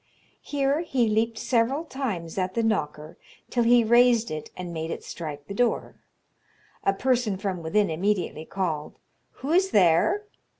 Here he leaped several times at the knocker, till he raised it and made it strike the door. A person from within immediately called, "Who is there?"